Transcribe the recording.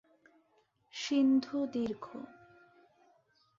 সিন্ধু দীর্ঘ।